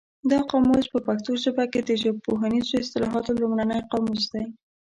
دا قاموس په پښتو ژبه کې د ژبپوهنیزو اصطلاحاتو لومړنی قاموس دی.